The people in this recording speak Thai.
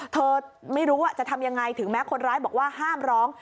เธอไม่รู้ว่าจะทำยังไงถึงแม้คนร้ายบอกว่าห้ามร้อง